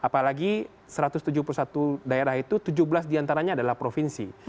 apalagi satu ratus tujuh puluh satu daerah itu tujuh belas diantaranya adalah provinsi